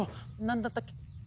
何だったっけ？